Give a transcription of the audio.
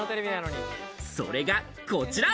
それがこちら。